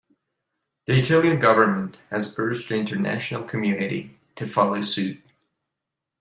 The Italian government has urged the international community to follow suit.